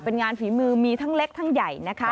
เป็นงานฝีมือมีทั้งเล็กทั้งใหญ่นะคะ